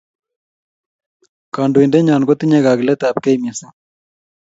Kandoindenyo kotinyei kakilet ab kei mising